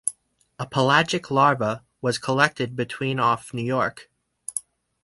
A pelagic larva was collected between off New York.